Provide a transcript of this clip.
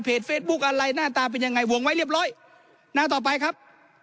เฟซบุ๊กอะไรหน้าตาเป็นยังไงวงไว้เรียบร้อยหน้าต่อไปครับ